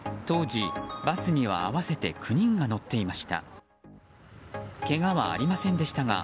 当時バスには合わせて９人が乗っていました。